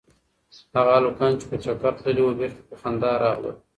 هغه هلکان چې په چکر تللي وو بېرته په خندا راغلل.